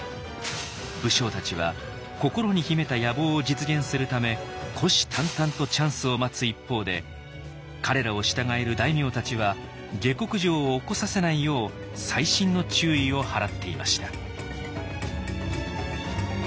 武将たちは心に秘めた野望を実現するため虎視眈々とチャンスを待つ一方で彼らを従える大名たちは下剋上を起こさせないよう細心の注意を払っていました。